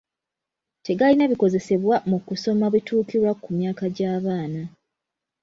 Tegalina bikozesebwa mu kusoma bituukira ku myaka gya baana.